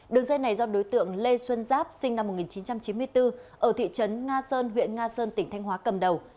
đường dây này do đối tượng lê xuân giáp sinh năm một nghìn chín trăm chín mươi bốn ở thị trấn nga sơn huyện nga sơn tỉnh thanh hóa cầm đầu